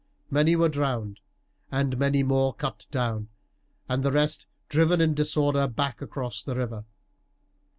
Many were drowned, many more cut down, and the rest driven in disorder back across the river.